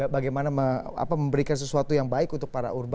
bagaimana memberikan sesuatu yang baik untuk para urban